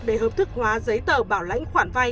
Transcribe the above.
để hợp thức hóa giấy tờ bảo lãnh khoản vay